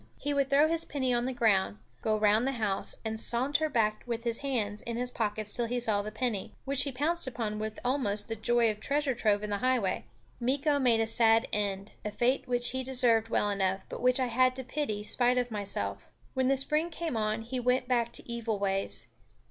He would throw his penny on the ground, go round the house, and saunter back with his hands in his pockets till he saw the penny, which he pounced upon with almost the joy of treasure trove in the highway. Meeko made a sad end a fate which he deserved well enough, but which I had to pity, spite of myself. When the spring came on, he went back to evil ways.